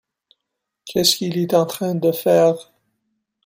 Qu’est-ce qu’il est en train de faire ?